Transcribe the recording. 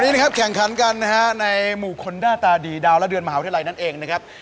วันนี้นะครับแข่งขันกันนะฮะในหมู่คนหน้าตาดีดาวและเดือนมหาวิทยาลัยนั่นเองนะครับ